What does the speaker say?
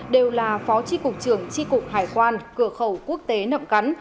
đều là phó tri cục trường tri cục hải quan cơ khẩu quốc tế nậm cắn